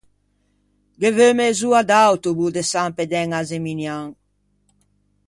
Ghe veu mez'oa de autobo de San Pê d'Æña à Zeminian.